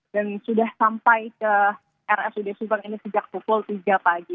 dan sudah sampai ke rs udo subang ini sejak pukul tiga pagi